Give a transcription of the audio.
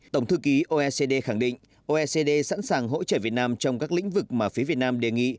tổng thư ký oecd khẳng định oecd sẵn sàng hỗ trợ việt nam trong các lĩnh vực mà phía việt nam đề nghị